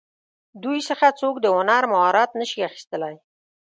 دوی څخه څوک د هنر مهارت نشي اخیستلی.